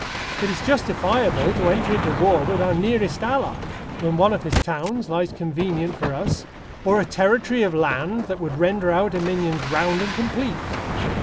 It is justifiable to enter into war with our nearest ally, when one of his towns lies convenient for us, or a territory of land that would render our dominions round and complete.